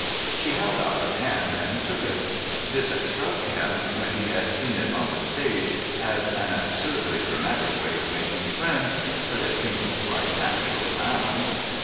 She held out her hand, and he shook it. This had struck him, when he had seen it on the stage, as an absurdly dramatic way of making friends, but it seemed quite natural now.